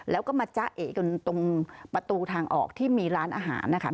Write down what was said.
แล้วก็มาจ๊ะเอกนตรงประตูทางออกที่มีร้านอาหารนะคะ